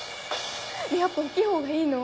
やっぱ大っきいほうがいいの？